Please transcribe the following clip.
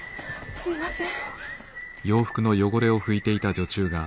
すんません。